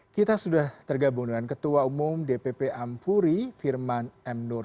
kita sudah tergabung dengan ketua umum dpp ampuri firman m nur